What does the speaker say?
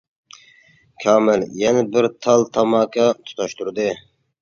كامىل يەنە بىر تال تاماكا تۇتاشتۇردى.